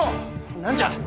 何じゃ。